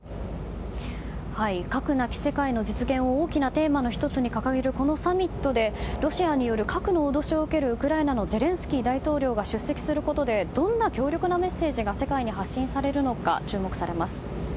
核なき世界の実現を大きなテーマの１つに掲げる、このサミットでロシアによる核の脅しを受けるウクライナのゼレンスキー大統領が出席することでどんな強力なメッセージが世界に発信されるのか注目されます。